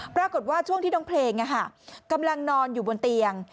ปรากฏว่าช่วงที่น้องเพลงกำลังนอนอยู่บนเตียง